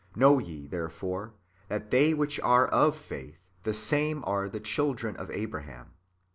Know ye therefore, that they which are of faith, the same are the children of Abraham.